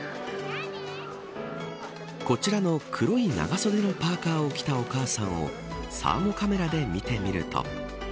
こちらの黒い長袖のパーカーを着たお母さんをサーモカメラで見てみると。